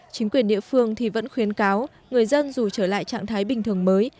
chính quyền địa phương thì vẫn khuyến cáo người dân dù trở lại trạng thái bình thường mới